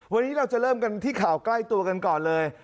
วันนี้เราจะเริ่มกันที่ข่าวใกล้ตัวกันก่อนเลย